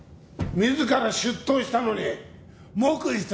自ら出頭したのに黙秘とはなあ。